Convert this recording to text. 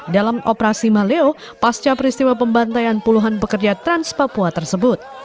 dalam operasi maleo pasca peristiwa pembantaian puluhan pekerja trans papua tersebut